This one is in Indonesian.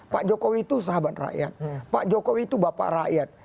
pak jokowi itu sahabat rakyat pak jokowi itu bapak rakyat